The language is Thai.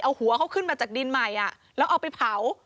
เอาหัวเขาขึ้นมาจากดินใหม่แล้วเอาไปเผา